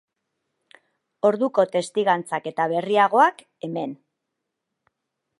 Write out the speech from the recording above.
Orduko testigantzak eta berriagoak hemen.